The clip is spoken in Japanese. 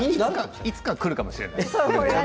いつかくるかもしれない。